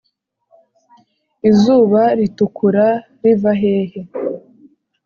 izuba ritukura riva hehe